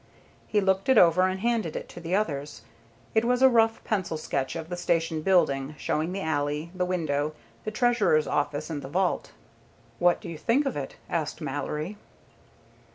He looked it over, and handed it to the others. It was a rough pencil sketch of the station building, showing the alley, the window, the Treasurer's office, and the vault. "What do you think of it?" asked Mallory.